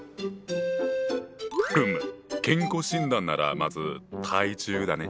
ふむ健康診断ならまず体重だね。